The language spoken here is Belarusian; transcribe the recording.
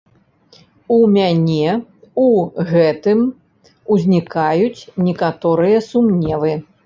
У мяне у гэтым узнікаюць некаторыя сумневы.